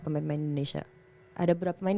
pemain pemain indonesia ada beberapa main